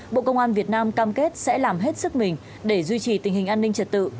bộ công an việt nam cam kết sẽ làm hết sức mình để duy trì tình hình an ninh trật tự